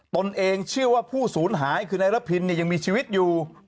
ตนเองเชื่อว่าผู้สูญหายคือนายระพินยังมีชีวิตอยู่